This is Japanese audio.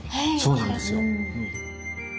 そうなんですよ。